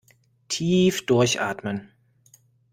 Tief durchatmen!